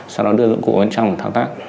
sau đó đưa dụng cụ vào trong thao tác